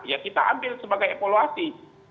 ya kita ambil sebagai evaluasi